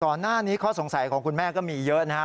ก่อนหน้านี้ข้อสงสัยของคุณแม่ก็มีเยอะนะครับ